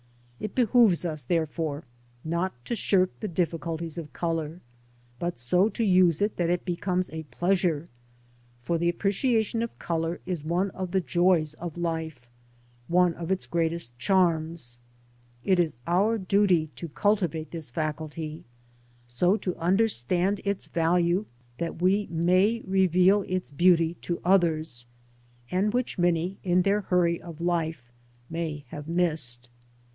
It behoves us, therefore, not to shirk the difficulties of colour, but so to use it that it becomes '\/ a pleasure; for the appreciation of colour is one of the joys X of life—one of its greatest chan^ It is our duty to cultivate ^'^'^ this faculty — ^so to understand its value that we ma y reveal its beauty to others, and wlych many, in their hurry of life, may / have missed."